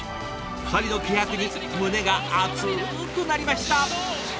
２人の気迫に胸が熱くなりました。